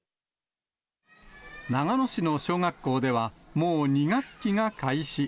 長野市の小学校では、もう２学期が開始。